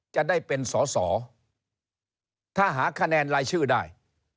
จะได้เป็นสอสอถ้าหาคะแนนรายชื่อได้